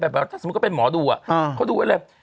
แบบถ้าสมมุติเขาเป็นหมอดูเขาดูไว้เลย